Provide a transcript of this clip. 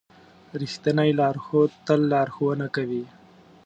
رښتینی لارښود تل لارښوونه کوي.